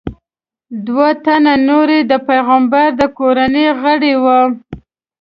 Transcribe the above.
دوه تنه نور یې د پیغمبر د کورنۍ غړي وو.